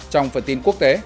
trong phần tin quốc tế